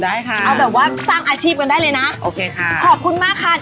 ได้ค่ะเอาแบบว่าสร้างอาชีพกันได้เลยนะโอเคค่ะขอบคุณมากค่ะ